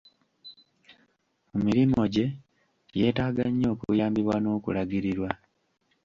Mu mirimo gye, yeetaaga nnyo okuyambibwa n'okulagirirwa.